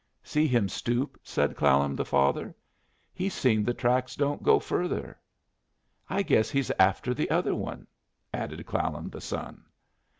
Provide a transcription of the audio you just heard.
"See him stoop," said Clallam the father. "He's seen the tracks don't go further." "I guess he's after the other one," added Clallam the son.